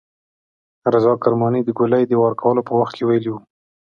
رضا کرماني د ګولۍ د وار کولو په وخت کې ویلي وو.